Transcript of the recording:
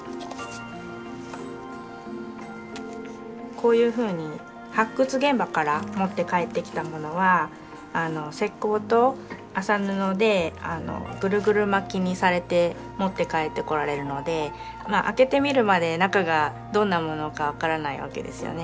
こういうふうに発掘現場から持って帰ってきたものは石こうと麻布でぐるぐる巻きにされて持って帰ってこられるので開けてみるまで中がどんなものか分からないわけですよね。